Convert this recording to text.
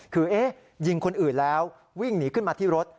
คือยิงคนอื่นแล้ววิ่งหนีขึ้นมาที่รถ